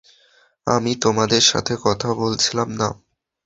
আমি তোমার সাথে কথা বলছিলাম না।